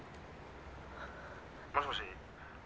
「もしもし？」